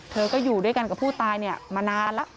เธอก็อยู่ด้วยกันกับผู้ตายเนี่ยมานานแล้ว